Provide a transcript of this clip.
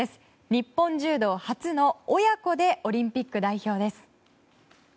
日本柔道初の親子でオリンピック代表です。